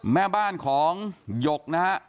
แม่บ้านของหยกนะฮะ